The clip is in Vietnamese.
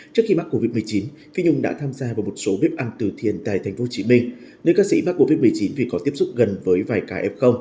trước khi mắc covid một mươi chín phi nhung đã tham gia vào một số bếp ăn từ thiền tại tp hcm nơi ca sĩ mắc covid một mươi chín vì có tiếp xúc gần với vài ca f